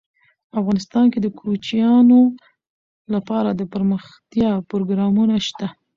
افغانستان کې د کوچیانو لپاره دپرمختیا پروګرامونه شته.